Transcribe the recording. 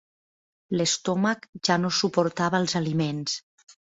L'estómac ja no suportava els aliments.